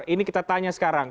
ini kita tanya sekarang